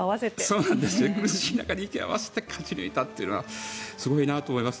苦しい中で息を合わせて勝ち抜いたというのはすごいなと思います。